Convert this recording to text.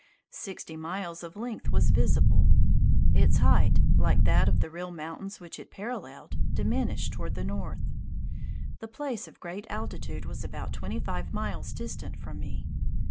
Sixty miles of length was visible. Its height, like that of the real mountains which it paralleled, diminished toward the north. The place of greatest altitude was about twenty five miles distant from me.